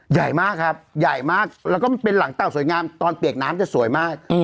ใหญ่มากครับใหญ่มากแล้วก็มันเป็นหลังเต่าสวยงามตอนเปียกน้ำจะสวยมาก